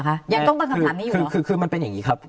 ยังต้องตั้งคำถามนี้อยู่คือคือมันเป็นอย่างนี้ครับ